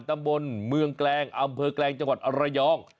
ตำบลเมืองแกลงอำเภอแกลงจังหวัดอรยอง